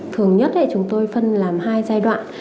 thường nhất là chúng tôi phân làm hai giai đoạn